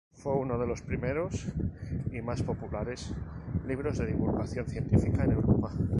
Fue uno de los primeros, y más populares, libros de divulgación científica en Europa.